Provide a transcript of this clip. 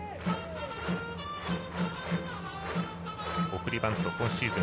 送りバント今シーズン